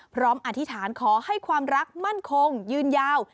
อธิษฐานขอให้ความรักมั่นคงยืนยาว